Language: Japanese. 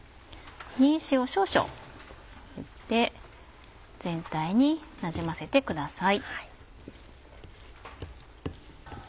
塩少々振って全体になじませてください。